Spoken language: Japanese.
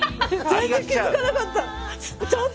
全然気付かなかった。